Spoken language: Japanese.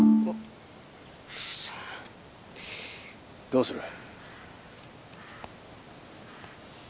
どうする？